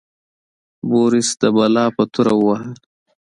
بوریس د بلا په توره وواهه.